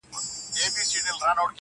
جانان پر سرو سترګو مین دی!